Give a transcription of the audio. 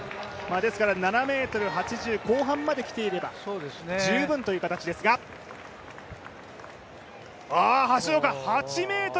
ですから７ｍ８０後半まできていれば十分という形ですが橋岡、８ｍ１８ｃｍ！